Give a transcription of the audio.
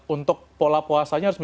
untuk pola puasanya harus menyesuaikan dan